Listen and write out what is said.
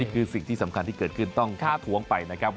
คือสิ่งที่สำคัญที่เกิดขึ้นต้องทักท้วงไปนะครับ